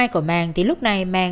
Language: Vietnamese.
cảm ơn màng